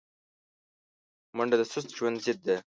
منډه د سست ژوند ضد ده